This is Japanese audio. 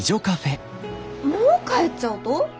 もう帰っちゃうと？